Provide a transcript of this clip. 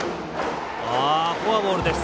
フォアボールです。